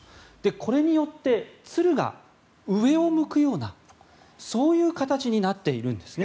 これによって鶴が上を向くようなそういう形になっているんですね。